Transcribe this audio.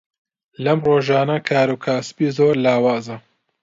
لەم ڕۆژانە کاروکاسبی زۆر لاوازە.